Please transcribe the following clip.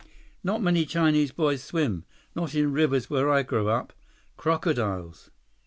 "Not many Chinese boys swim. Not in rivers where I grow up. Crocodiles."